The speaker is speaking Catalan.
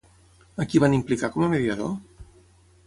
A qui van implicar com a mediador?